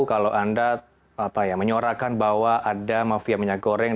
kalau anda menyorakan bahwa ada mafia minyak goreng